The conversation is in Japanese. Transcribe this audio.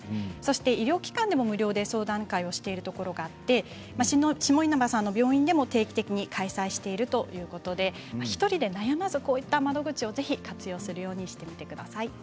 医療機関でも無料の相談会をしているところがあって下稲葉さんの病院でも定期的に開催しているということで１人で悩まず、こういった窓口をぜひ活用するようにしてみてください。